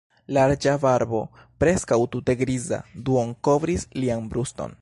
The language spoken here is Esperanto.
Larĝa barbo, preskaŭ tute griza, duonkovris lian bruston.